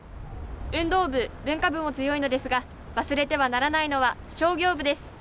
運動部、文化部も強いのですが忘れてはならないのは商業部です。